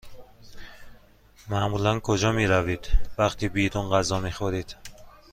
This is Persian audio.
معمولا کجا می روید وقتی بیرون غذا می خورید؟